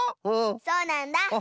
そうなんだ！